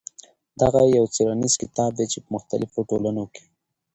دغه يو څېړنيز کتاب دى چې په مختلفو ټولنو کې.